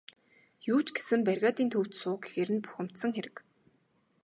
Юу ч гэсэн бригадын төвд суу гэхээр нь бухимдсан хэрэг.